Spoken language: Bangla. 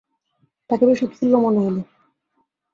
তাঁকে বেশ উৎফুল্ল মনে হল।